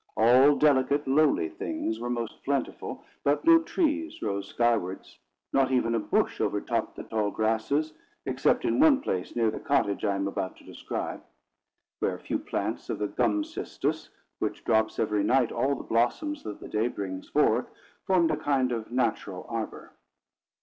All delicate lowly things were most plentiful; but no trees rose skywards, not even a bush overtopped the tall grasses, except in one place near the cottage I am about to describe, where a few plants of the gum cistus, which drops every night all the blossoms that the day brings forth, formed a kind of natural arbour.